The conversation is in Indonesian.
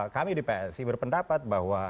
kami di psi berpendapat bahwa